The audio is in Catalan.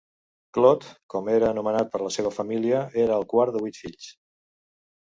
Claude, com era anomenat per la seva família, era el quart de vuit fills.